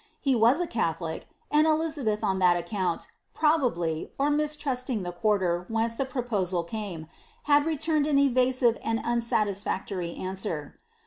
He was i catholic, and Elizabeth on that account, probably, or inistrustiiig the quarter whence the proposal came, had returned an evasive and unsatis &ctory answer.